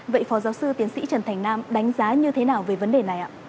vậy phó giáo sư tiến sĩ trần thành nam đánh giá như thế nào về vấn đề này ạ